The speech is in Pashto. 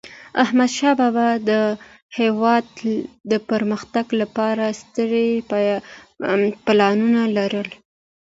احمدشاه بابا د هیواد د پرمختګ لپاره ستر پلانونه لرل.